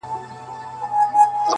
وهر يو رگ ته يې د ميني کليمه وښايه.